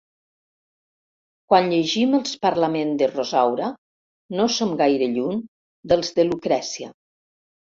Quan llegim els parlament de Rosaura no som gaire lluny dels de Lucrècia.